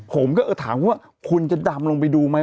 ผมก็ถามคุณว่าคุณจะดำลงไปดูไหม